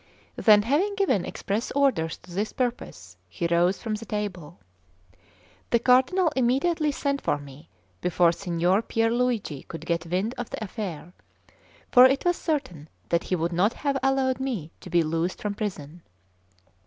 Then, having given express orders to this purpose, he rose from table. The Cardinal immediately sent for me, before Signor Pier Luigi could get wind of the affair; for it was certain that he would not have allowed me to be loosed from prison.